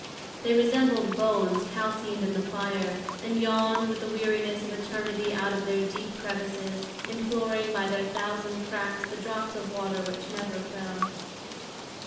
They resembled bones calcined in the fire, and yawned with the weariness of eternity out of their deep crevices, imploring by their thousand cracks the drop of water which never fell.